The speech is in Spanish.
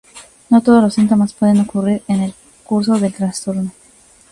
No todos los síntomas pueden ocurrir en el curso del trastorno.